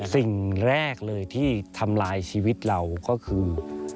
สิ่งแรกเลยที่ทำลายชีวิตเราก็คือ